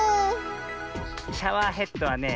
シャワーヘッドはねえ